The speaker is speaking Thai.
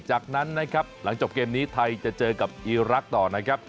จากนั้นนะครับหลังจบเกมนี้ไทยจะเจอกับอีรักษ์ต่อนะครับ